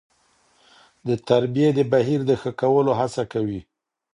د تربيې د بهیر د ښه کولو هڅه کوي.